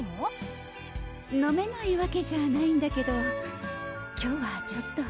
飲めないわけじゃないんだけど今日はちょっと。